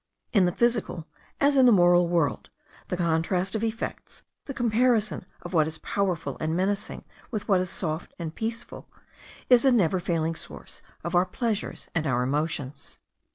In the physical, as in the moral world, the contrast of effects, the comparison of what is powerful and menacing with what is soft and peaceful, is a never failing source of our pleasures and our emotions.